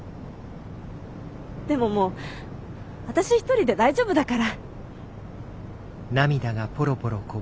でももう私一人で大丈夫だから。